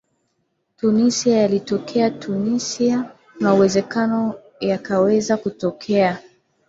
tunisia yaliyotokea tunisia kunawezekano yakaweza kutokea se